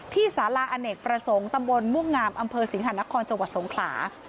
ที่สาลาอเนกประสงค์ตำบลมุ่งงามอสิงหานครจสงขลา